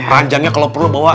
ranjangnya kalau perlu bawa